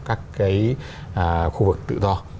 các cái khu vực tự do